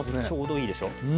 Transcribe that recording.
ちょうどいいでしょ。